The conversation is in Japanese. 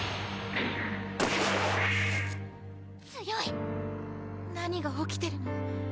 強い何が起きてるの？